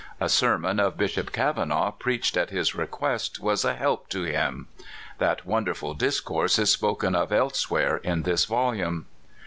A sermon of Bishop Kav anaugh, preached at his request, was a help to him. (That wonderful discourse is spoken of elsewhere in this volume.)